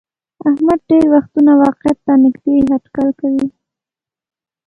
احمد ډېری وختونه واقعیت ته نیږدې هټکل کوي.